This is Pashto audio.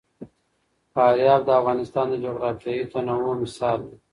فاریاب د افغانستان د جغرافیوي تنوع مثال دی.